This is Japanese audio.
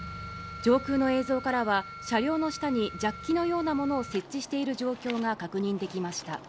上空の映像からは、車両の下にジャッキのようなものを設置している状況が確認できました。